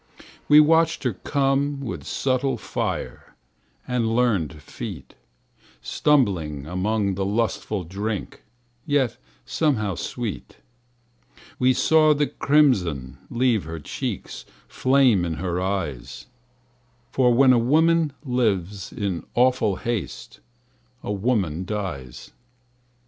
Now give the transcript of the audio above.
We watched her come with subtle fire And learned feet, Stumbling among the lustful drunk Yet somehow sweet. We saw the crimson leave her cheeks Flame in her eyes; For when a woman lives in awful haste A woman dies.